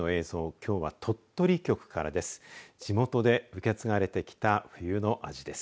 きょうは鳥取局からです。